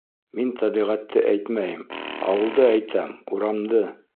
Мин тәбиғәтте әйтмәйем, ауылды әйтәм, урамды.